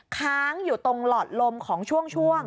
ค้างอยู่ตรงหลอดลมของช่วง